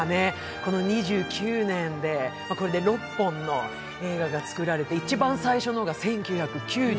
この２９年で６本の映画が作られて、一番最初のが１９９３年。